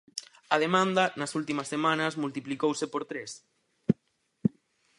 A demanda, nas últimas semanas, multiplicouse por tres.